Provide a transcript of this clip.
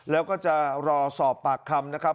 แล้วก็จะรอสอบปากคำนะครับ